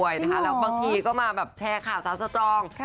จริงเหรอจริงเหรอแล้วบางทีก็มาแบบแชร์ข่าวซ้าสตรอง